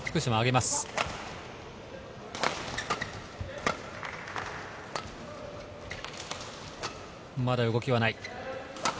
まだ動きはない。